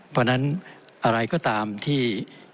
เพราะฉะนั้นอะไรก็ตามที่